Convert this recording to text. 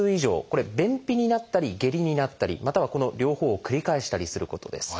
これは便秘になったり下痢になったりまたはこの両方を繰り返したりすることです。